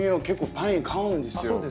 結構パイン買うんですよ。